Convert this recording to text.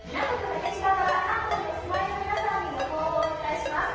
竹芝から関東にお住まいの皆さんに予報をお伝えします。